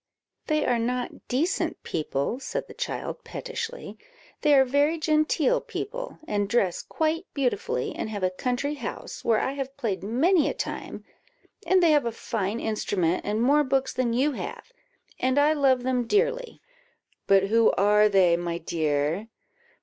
"They are not decent people," said the child, pettishly; "they are very genteel people, and dress quite beautifully, and have a country house, where I have played many a time; and they have a fine instrument, and more books than you have, and I love them dearly." "But who are they, my dear?"